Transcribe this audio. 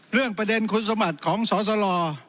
เรื่องประเด็นคุณสมบัติของสอสล